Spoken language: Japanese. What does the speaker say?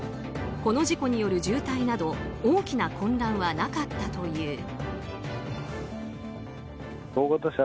この事故による渋滞など大きな混乱はなかったという。